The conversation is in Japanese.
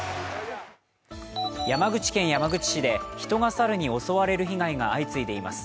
山口県山口市で人が猿に襲われる被害が相次いでいます。